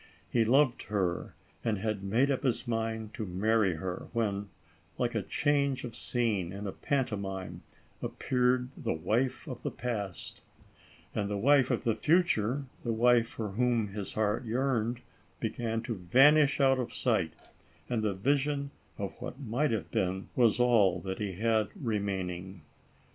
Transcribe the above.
He loved her and had made up his mind to marry her, when, like a change of scene in a pantomime, appeared the wife of the past ; and the wife of the future, the wife for whom his heart yearned, began to vanish out of sight, and the vision of what might have been was all that he had re maining.